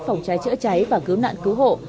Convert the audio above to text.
phòng cháy chữa cháy và cứu nạn cứu hộ